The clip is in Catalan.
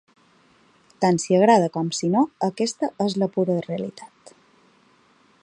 Tant si agrada com si no, aquesta és la pura realitat.